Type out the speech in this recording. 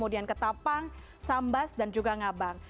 kemudian ketapang sambas dan juga ngabang